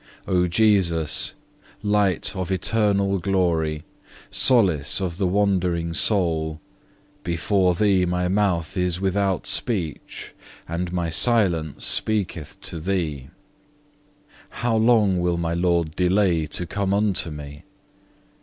4. O Jesus, Light of Eternal Glory, solace of the wandering soul, before Thee my mouth is without speech, and my silence speaketh to Thee. How long will my Lord delay to come unto me?